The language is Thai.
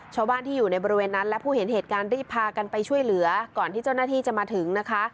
ชาวบ้านที่อยู่ในบริเวณนั้นและผู้เห็นเหตุการณ์รีบพากันไปช่วยเหลือก่อนที่เจ้าหน้าที่จะมาถึงนะคะ